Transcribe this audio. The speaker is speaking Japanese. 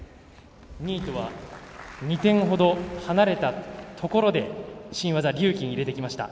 ２位とは２点ほど離れたところで新技リューキンを入れてきました。